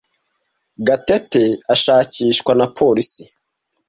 Gatete ashakishwa na polisi.